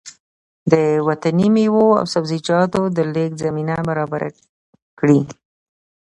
د وطني مېوو او سبزيجاتو د لېږد زمينه برابره کړي